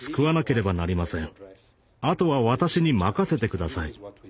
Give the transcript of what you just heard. あとは私に任せて下さい。